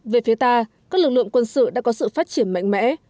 về phía ta các lực lượng quân sự đã có sự phát triển mạnh mẽ